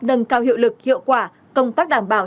nâng cao hiệu lực hiệu quả công tác đảm bảo